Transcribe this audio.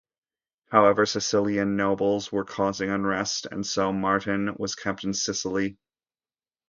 However, Sicilian nobles were causing unrest and so Martin was kept in Sicily.